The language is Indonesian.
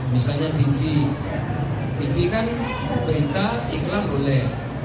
misalnya tv tv kan berita iklan boleh